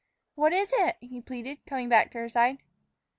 "What is it?" he pleaded, coming back to her side.